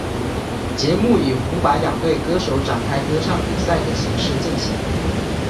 节目以红白两队歌手展开歌唱比赛的形式进行。